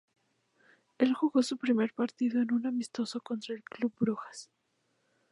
Él jugó su primer partido en un amistoso contra el Club Brujas.